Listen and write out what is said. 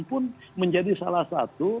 pun menjadi salah satu